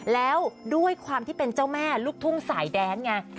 แล้วด้วยความที่เป็นเจ้าแม่ลูกทุ่งสายแดนไง